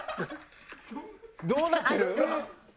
どうなってる？